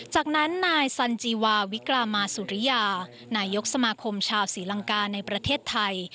จากนั้นนายสันจีวาวิกรามาสุริยานายกสมาคมชาวศรีลังกาในประเทศไทย